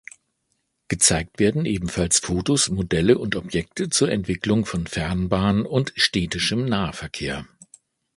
Gezeigt werden ebenfalls Fotos, Modelle und Objekte zur Entwicklung von Fernbahn und städtischem Nahverkehr.